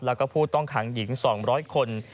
แล้วก็ผู้ต้องขังหญิง๒๐๐คน